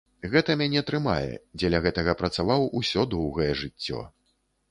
Гэта мяне трымае, дзеля гэтага працаваў усё доўгае жыццё.